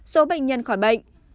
số bệnh nhân khỏi bệnh